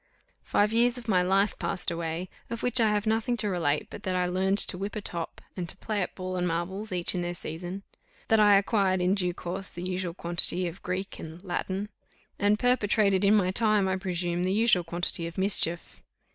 Five years of my life passed away, of which I have nothing to relate but that I learned to whip a top, and to play at ball and marbles, each in their season; that I acquired in due course the usual quantity of Greek and Latin; and perpetrated in my time, I presume, the usual quantity of mischief.